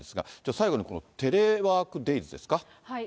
最後に、テレワーク・デイズですか。